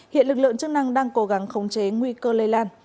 hiện lực lượng chức năng đang cố gắng khống chế nguy cơ lây lan